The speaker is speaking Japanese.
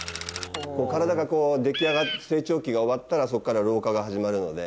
体が出来上がって成長期が終わったらそこから老化が始まるので。